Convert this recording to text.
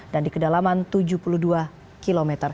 dan di kedalaman tujuh puluh dua km